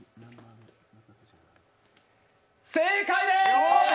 正解でーす！